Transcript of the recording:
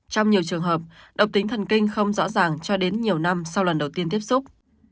trong nhiều trường hợp độc tính thần kinh không rõ ràng cho đến nhiều năm sau lần đầu tiên tiếp xúc